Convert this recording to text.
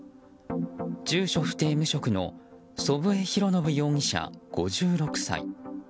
住所不定・無職の祖父江博伸容疑者、５６歳。